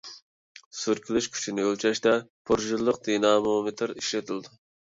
سۈركىلىش كۈچىنى ئۆلچەشتە پۇرژىنىلىق دىنامومېتىر ئىشلىتىلىدۇ.